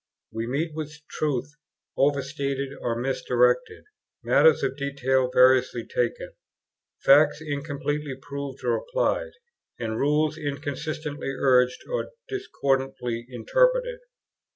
We meet with truths overstated or misdirected, matters of detail variously taken, facts incompletely proved or applied, and rules inconsistently urged or discordantly interpreted.